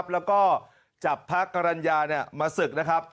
และจับพระกรรณญามาศึก